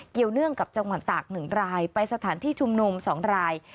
เนื่องกับจังหวัดตาก๑รายไปสถานที่ชุมนุม๒ราย